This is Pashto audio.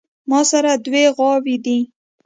ماسره دوې غواوې دي